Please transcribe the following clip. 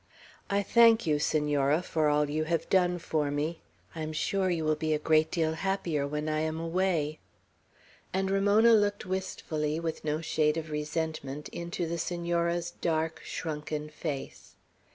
I thank you, Senora, for all you have done for me; I am sure you will be a great deal happier when I am away;" and Ramona looked wistfully, with no shade of resentment, into the Senora's dark, shrunken face.